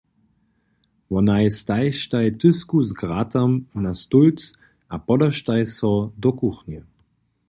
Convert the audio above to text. Wonaj stajištaj tyzku z gratom na stólc a podaštaj so do kuchnje.